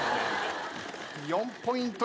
４ポイント。